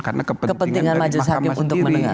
karena kepentingan dari mahkamah sendiri